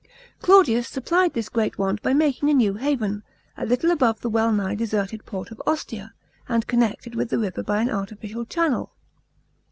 Claudius supplied this great want by making a new haven, a little above the well nigh deserted port of Ostia, and connected with the river by an artificial channel.